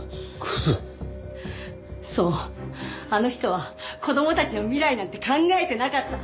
そうあの人は子供たちの未来なんて考えてなかった。